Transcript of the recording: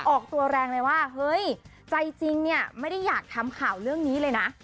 ออกตัวแรงเลยว่าเฮ้ยใจจริงเนี่ยไม่ได้อยากทำข่าวเรื่องนี้เลยนะ